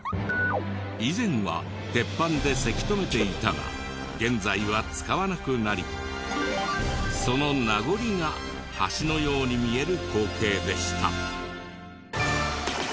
以前は鉄板でせき止めていたが現在は使わなくなりその名残が橋のように見える光景でした。